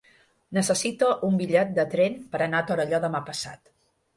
Necessito un bitllet de tren per anar a Torelló demà passat.